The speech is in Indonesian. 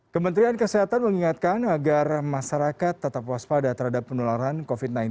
kementerian kesehatan mengingatkan agar masyarakat tetap waspada terhadap penularan covid sembilan belas